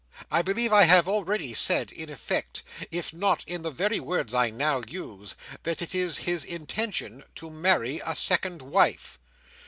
I believe I have already said, in effect, if not in the very words I now use, that it is his intention to marry a second wife."